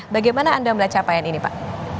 bagaimana anda melihat capaian ini pak